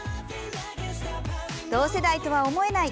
「同世代とは思えない！！」